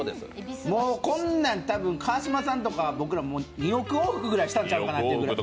こんなん多分、川島さんとか僕らは２億往復したんちゃうかぐらい。